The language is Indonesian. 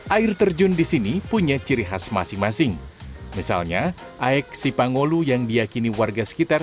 air terjun di sini punya ciri khas masing masing misalnya aek sipangolu yang diakini warga sekitar